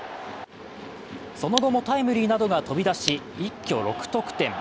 その後もタイムリーなどが飛び出し、一挙６得点。